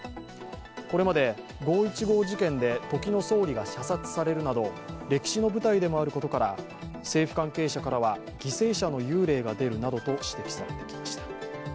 これまで５・１５事件で時の総理が射殺されるなど、歴史の舞台でもあることから、政府関係者からは犠牲者の幽霊が出るなどと指摘されてきました。